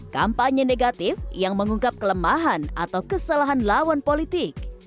kampanye negatif yang mengungkap kelemahan atau kesalahan lawan politik